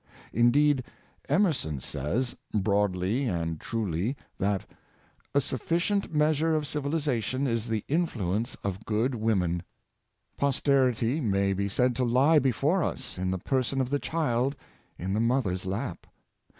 Indeed, Emerson says, broadly and truly, that " a sufficient measure of civili zation is the influence of good women." Posterity may be said to lie before us in the person of the child in the mother's lap.